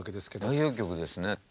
代表曲ですね。